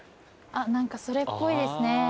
あっ何かそれっぽいですね。